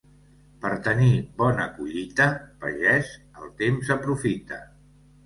Per tenir bona collita, pagès, el temps aprofita.